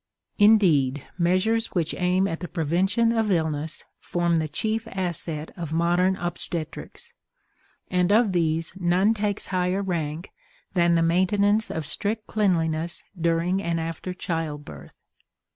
Indeed, measures which aim at the prevention of illness form the chief asset of modern obstetrics, and of these none takes higher rank than the maintenance of strict cleanliness during and after childbirth.